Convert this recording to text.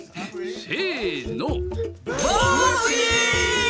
せの。